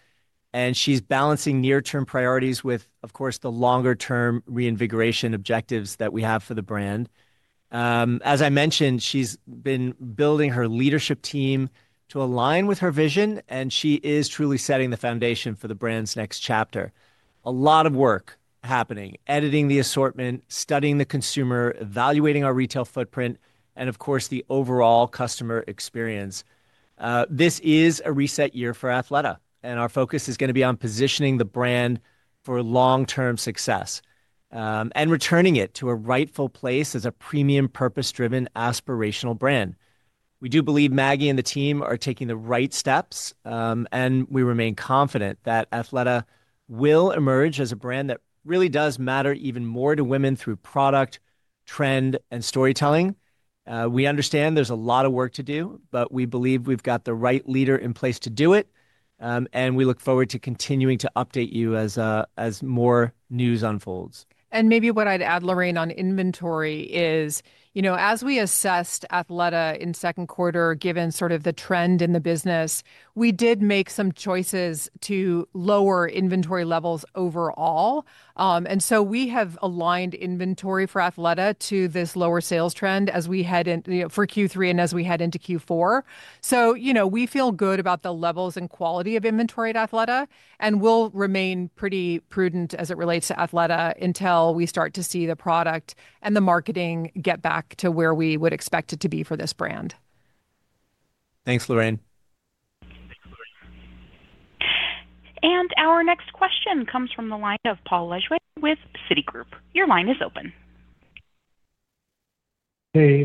She's balancing near-term priorities with, of course, the longer-term reinvigoration objectives that we have for the brand. As I mentioned, she's been building her leadership team to align with her vision. She is truly setting the foundation for the brand's next chapter. A lot of work happening, editing the assortment, studying the consumer, evaluating our retail footprint, and, of course, the overall customer experience. This is a reset year for Athleta. Our focus is going to be on positioning the brand for long-term success and returning it to a rightful place as a premium, purpose-driven, aspirational brand. We do believe Maggie and the team are taking the right steps. We remain confident that Athleta will emerge as a brand that really does matter even more to women through product, trend, and storytelling. We understand there is a lot of work to do, but we believe we have the right leader in place to do it. We look forward to continuing to update you as more news unfolds. What I would add, Lorraine, on inventory is, as we assessed Athleta in the second quarter, given the trend in the business, we did make some choices to lower inventory levels overall. We have aligned inventory for Athleta to this lower sales trend as we head for Q3 and as we head into Q4. We feel good about the levels and quality of inventory at Athleta. We will remain pretty prudent as it relates to Athleta until we start to see the product and the marketing get back to where we would expect it to be for this brand. Thanks, Lorraine. Our next question comes from the line of Paul Lejuez with Citigroup. Your line is open. Hey,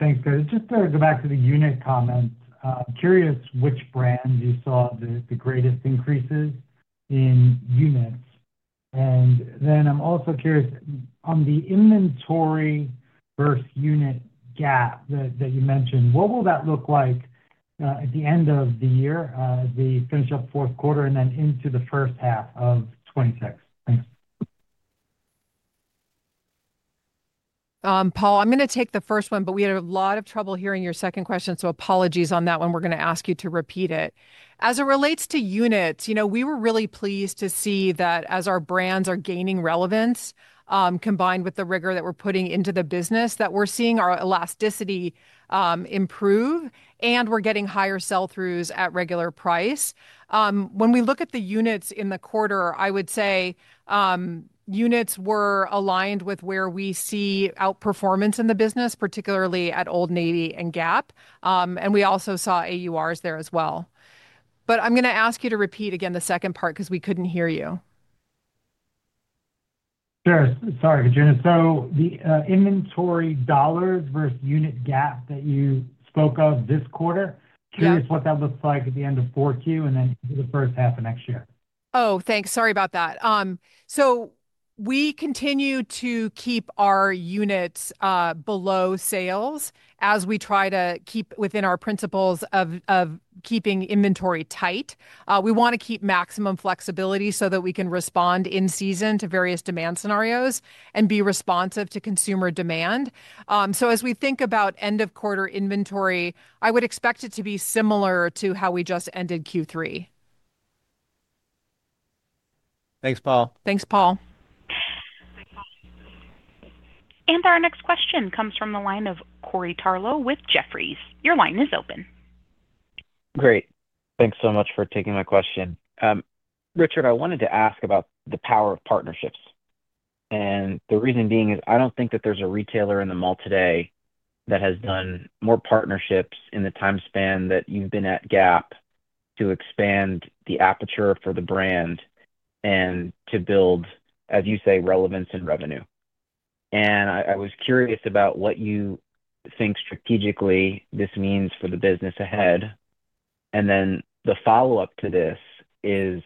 thanks, guys. Just to go back to the unit comment, I am curious which brand you saw the greatest increases in units. I am also curious on the inventory versus unit gap that you mentioned. What will that look like at the end of the year, as we finish up fourth quarter and then into the first half of 2026? Thanks. Paul, I'm going to take the first one, but we had a lot of trouble hearing your second question. Apologies on that one. We're going to ask you to repeat it. As it relates to units, we were really pleased to see that as our brands are gaining relevance, combined with the rigor that we're putting into the business, we're seeing our elasticity improve. We're getting higher sell-throughs at regular price. When we look at the units in the quarter, I would say units were aligned with where we see outperformance in the business, particularly at Old Navy and Gap. We also saw AURs there as well. I'm going to ask you to repeat again the second part because we couldn't hear you. Sure. Sorry, Katrina. The inventory dollars versus unit gap that you spoke of this quarter, curious what that looks like at the end of 2004 Q4 and then into the first half of next year. Oh, thanks. Sorry about that. We continue to keep our units below sales as we try to keep within our principles of keeping inventory tight. We want to keep maximum flexibility so that we can respond in season to various demand scenarios and be responsive to consumer demand. As we think about end-of-quarter inventory, I would expect it to be similar to how we just ended Q3. Thanks, Paul. Thanks, Paul. Our next question comes from the line of Corey Tarlow with Jefferies. Your line is open. Great. Thanks so much for taking my question. Richard, I wanted to ask about the power of partnerships. The reason being is I do not think that there is a retailer in the mall today that has done more partnerships in the time span that you have been at Gap to expand the aperture for the brand and to build, as you say, relevance and revenue. I was curious about what you think strategically this means for the business ahead. The follow-up to this is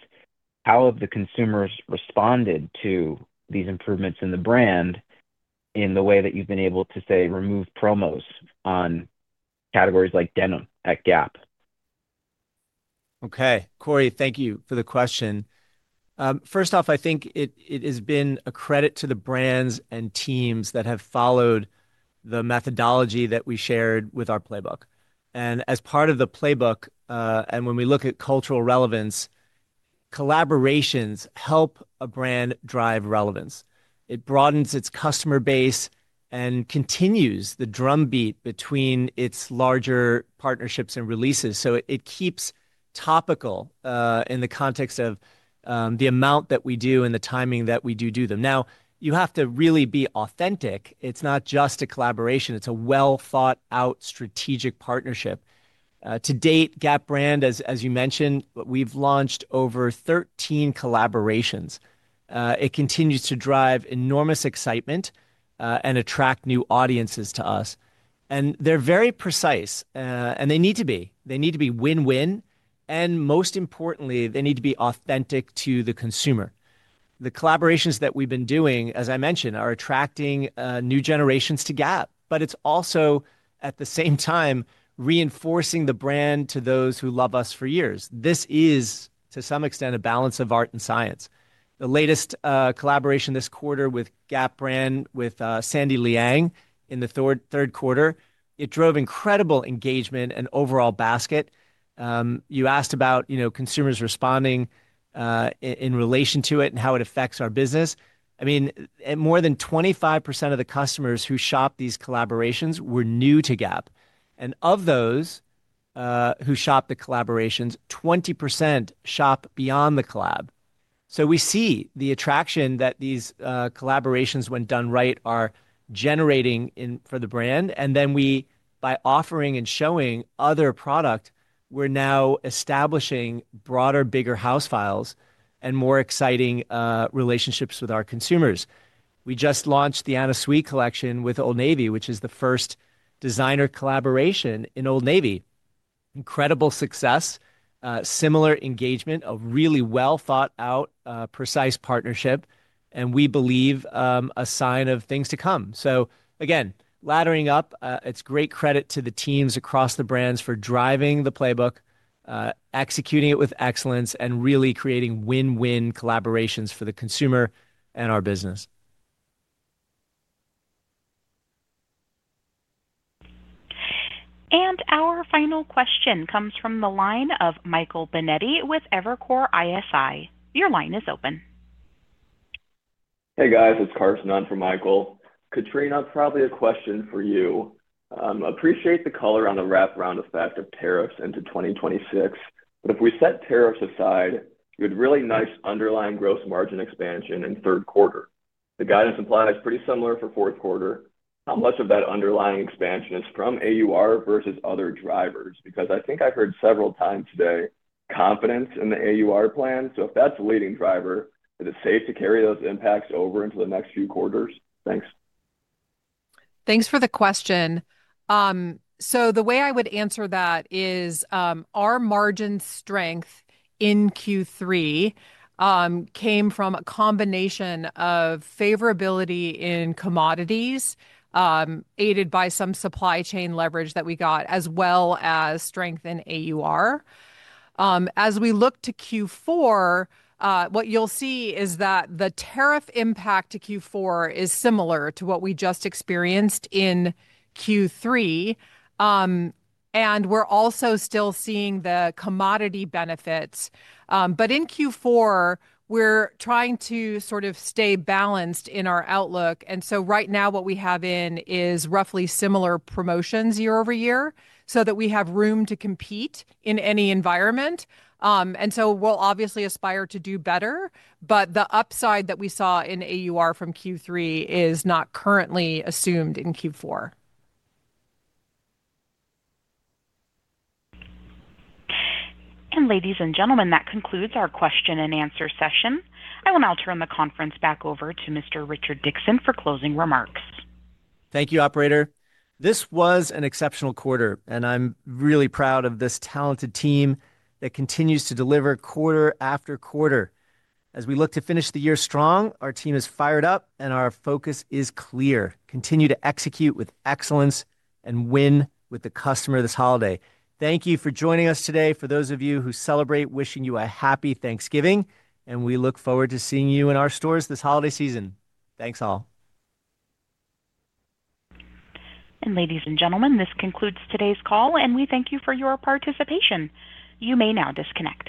how have the consumers responded to these improvements in the brand in the way that you have been able to, say, remove promos on categories like denim at Gap? Okay. Corey, thank you for the question. First off, I think it has been a credit to the brands and teams that have followed the methodology that we shared with our playbook. As part of the playbook, when we look at cultural relevance, collaborations help a brand drive relevance. It broadens its customer base and continues the drumbeat between its larger partnerships and releases. It keeps topical in the context of the amount that we do and the timing that we do do them. You have to really be authentic. It's not just a collaboration. It's a well-thought-out strategic partnership. To date, Gap Brand, as you mentioned, we've launched over 13 collaborations. It continues to drive enormous excitement and attract new audiences to us. They're very precise. They need to be. They need to be win-win. Most importantly, they need to be authentic to the consumer. The collaborations that we've been doing, as I mentioned, are attracting new generations to Gap. It is also, at the same time, reinforcing the brand to those who love us for years. This is, to some extent, a balance of art and science. The latest collaboration this quarter with Gap Brand with Sandy Liang in the third quarter, it drove incredible engagement and overall basket. You asked about consumers responding in relation to it and how it affects our business. I mean, more than 25% of the customers who shop these collaborations were new to Gap. And of those who shop the collaborations, 20% shop beyond the collab. We see the attraction that these collaborations, when done right, are generating for the brand. By offering and showing other product, we are now establishing broader, bigger house files and more exciting relationships with our consumers. We just launched the Anna Sui collection with Old Navy, which is the first designer collaboration in Old Navy. Incredible success, similar engagement, a really well-thought-out, precise partnership. We believe a sign of things to come. Again, laddering up, it's great credit to the teams across the brands for driving the playbook, executing it with excellence, and really creating win-win collaborations for the consumer and our business. Our final question comes from the line of Michael Benetti with Evercore ISI. Your line is open. Hey, guys. It's Carson on for Michael. Katrina, probably a question for you. Appreciate the color on the wrap-around effect of tariffs into 2026. If we set tariffs aside, you had really nice underlying gross margin expansion in third quarter. The guidance implies pretty similar for fourth quarter. How much of that underlying expansion is from AUR versus other drivers? Because I think I heard several times today, confidence in the AUR plan. If that's a leading driver, is it safe to carry those impacts over into the next few quarters? Thanks. Thanks for the question. The way I would answer that is our margin strength in Q3 came from a combination of favorability in commodities aided by some supply chain leverage that we got, as well as strength in AUR. As we look to Q4, what you'll see is that the tariff impact to Q4 is similar to what we just experienced in Q3. We're also still seeing the commodity benefits. In Q4, we're trying to sort of stay balanced in our outlook. Right now, what we have in is roughly similar promotions year-over-year so that we have room to compete in any environment. We will obviously aspire to do better. The upside that we saw in AUR from Q3 is not currently assumed in Q4. Ladies and gentlemen, that concludes our question-and-answer session. I will now turn the conference back over to Mr. Richard Dickson for closing remarks. Thank you, operator. This was an exceptional quarter. I am really proud of this talented team that continues to deliver quarter after quarter. As we look to finish the year strong, our team is fired up and our focus is clear. Continue to execute with excellence and win with the customer this holiday. Thank you for joining us today. For those of you who celebrate, wishing you a happy Thanksgiving. We look forward to seeing you in our stores this holiday season. Thanks, all. Ladies and gentlemen, this concludes today's call. We thank you for your participation. You may now disconnect.